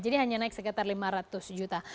jadi hanya naik sekitar lima ratus juta